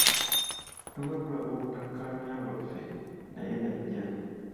Tuba tulaga obutakkaanya bwaffe naye n’ajja.